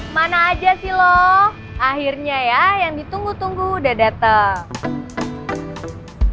mana aja sih loh akhirnya ya yang ditunggu tunggu udah datang